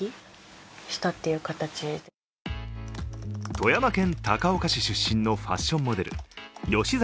富山県高岡市出身のファッションモデル芳坂